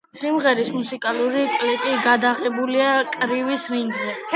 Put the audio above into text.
სიმღერის მუსიკალური კლიპი გადაღებულია კრივის რინგზე.